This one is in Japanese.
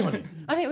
あれ？